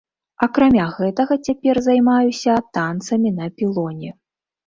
Акрамя гэтага цяпер займаюся танцамі на пілоне.